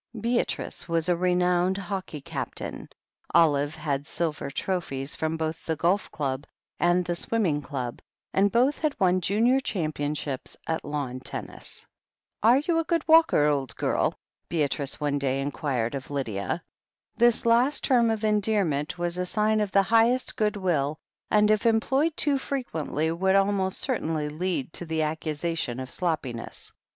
Beatrice was a renowned hockey captain; Olive had silver trophies from both the Golf Club and the Swim ming Club, and both had won Junior Championships at lawn tennis. "Are you a good walker, old girl?" Beatrice one day inquired of Lydia. This last term of endearment was a sign of the high est goodwill, and if employed too frequently would al most certainly lead to the accusation of sloppiness.